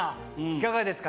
いかがですか？